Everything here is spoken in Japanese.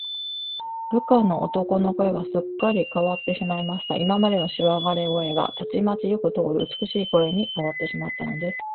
部下の男の声が、すっかりかわってしまいました。今までのしわがれ声が、たちまちよく通る美しい声にかわってしまったのです。